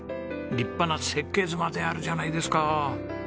立派な設計図まであるじゃないですか。